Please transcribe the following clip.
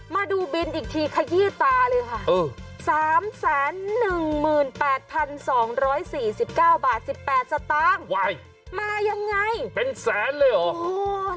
มาดูบินอีกทีขยี้ตาเลยค่ะ๓๑๘๒๔๙บาท๑๘สตางค์มายังไงเป็นแสนเลยเหรอ